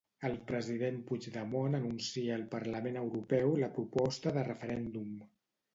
El president Puigdemont anuncia al Parlament Europeu la proposta de referèndum.